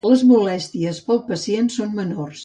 Les molèsties per al pacient són menors.